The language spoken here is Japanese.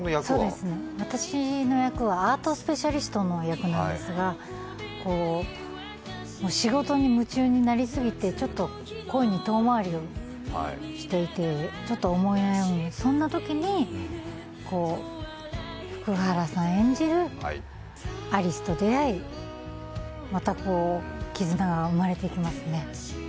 私の役はアートスペシャリストの役なんですが、仕事に夢中になりすぎて、恋に遠回りをしていてちょっと思い悩み、そんなときに福原さん演じる有栖と出会い、また絆が生まれてきますね。